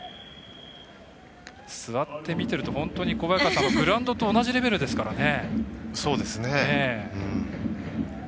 座って見ていると、本当にグラウンドと同じレベルですからね。